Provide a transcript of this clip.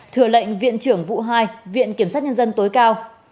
thừa lệnh viện trưởng vụ hai viện kiểm sát nhân dân tối cao